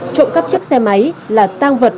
trộm các chiếc xe máy là tang vật